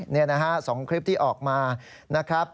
นี่นะฮะ๒คลิปที่ออกมานะครับ